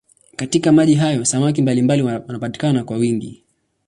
Katika maji hayo samaki mbalimbali wanapatikana kwa wingi.